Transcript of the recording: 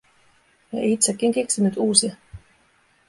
Ja itsekin keksinyt uusia.